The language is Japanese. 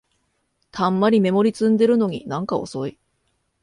たんまりメモリ積んでるのになんか遅い